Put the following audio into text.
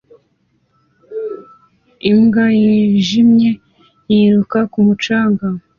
Imbwa yijimye yiruka ku mucanga